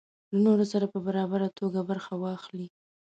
له نورو سره په برابره توګه برخه واخلي.